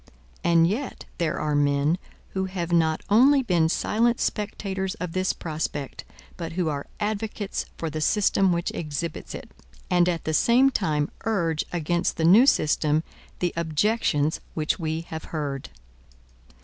And yet there are men, who have not only been silent spectators of this prospect, but who are advocates for the system which exhibits it; and, at the same time, urge against the new system the objections which we have heard.